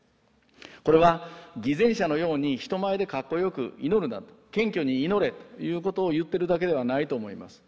これは偽善者のように人前でかっこよく祈るな謙虚に祈れということを言ってるだけではないと思います。